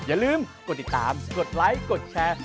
อย่าลืมกดติดตามกดไลค์กดแชร์